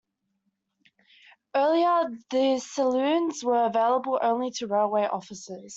Earlier, these saloons were available only to railway officers.